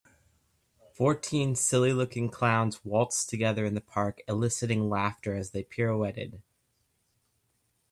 Fourteen silly looking clowns waltzed together in the park eliciting laughter as they pirouetted.